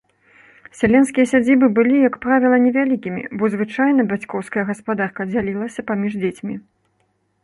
Сялянскія сядзібы былі як правіла невялікімі, бо звычайна бацькоўская гаспадарка дзялілася паміж дзецьмі.